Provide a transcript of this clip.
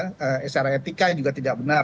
secara etika juga tidak benar